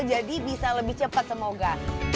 jadi bisa lebih cepat semoga